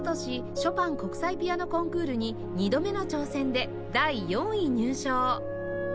ショパン国際ピアノコンクールに２度目の挑戦で第４位入賞